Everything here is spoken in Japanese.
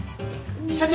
社長。